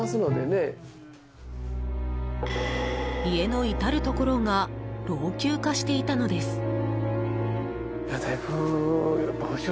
家の至るところが老朽化していたのです。